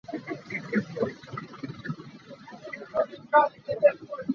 A lu aa huah tuk caah a sam a tlong chih dih.